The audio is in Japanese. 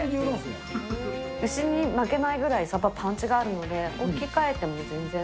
牛に負けないぐらい、サバ、パンチがあるので、置き換えても全然。